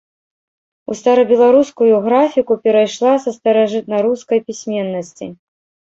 У старабеларускую графіку перайшла са старажытнарускай пісьменнасці.